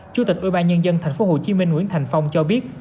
chủ tịch ubnd tp hcm nguyễn thành phong cho biết